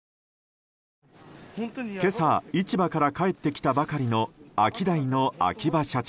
今朝市場から帰ってきたばかりのアキダイの秋葉社長。